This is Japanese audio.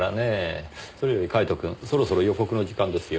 それよりカイトくんそろそろ予告の時間ですよ。